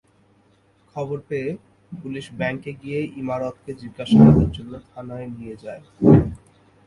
খবর পেয়ে পুলিশ ব্যাংকে গিয়ে ইমারতকে জিজ্ঞাসাবাদের জন্য থানায় নিয়ে যায়।